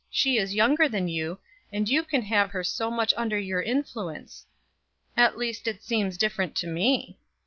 She is younger than you, and you can have her so much under your influence. At least it seems different to me.